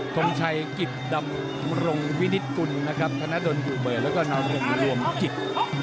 ทมชัยกิตดำรงวินิตกุลนะครับธนาดนกุเบิร์ตแล้วก็น้องเร็วรวมกิต